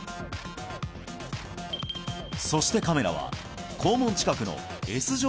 そしてカメラは肛門近くのＳ状